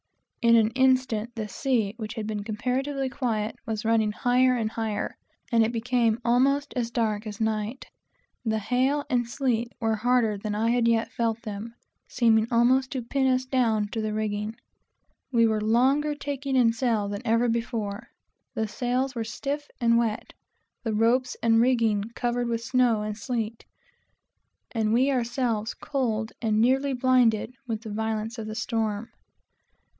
In an instant the sea, which had been comparatively quiet, was running higher and higher; and it became almost as dark as night. The hail and sleet were harder than I had yet felt them; seeming to almost pin us down to the rigging. We were longer taking in sail than ever before; for the sails were stiff and wet, the ropes and rigging covered with snow and sleet, and we ourselves cold and nearly blinded with the violence of the storm.